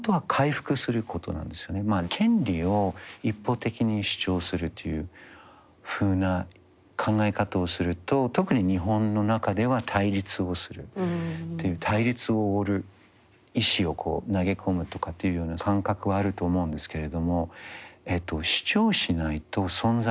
権利を一方的に主張するというふうな考え方をすると特に日本の中では対立をするという対立をあおる石を投げ込むとかっていうような感覚はあると思うんですけれども主張しないと存在しない。